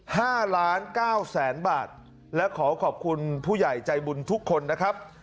ห้าล้านเก้าแสนบาทและขอขอบคุณผู้ใหญ่ใจบุญทุกคนนะครับ